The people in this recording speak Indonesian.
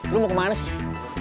lo mau kemana sih